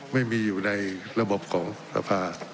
ไม่มีอยู่ในระบบของสภา